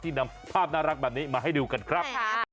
นำภาพน่ารักแบบนี้มาให้ดูกันครับ